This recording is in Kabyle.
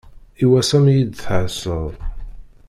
I wass-a mi yi-d-thesseḍ.